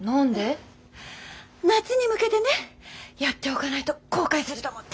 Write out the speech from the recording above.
夏に向けてねやっておかないと後悔すると思って。